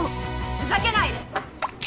ふざけないで！